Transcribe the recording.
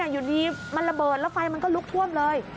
อยู่ดีมันระเบิดแล้วไฟมันก็ลุกท่วมเลย